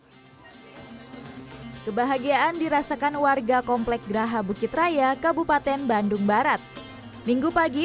hai kebahagiaan dirasakan warga komplek graha bukit raya kabupaten bandung barat minggu pagi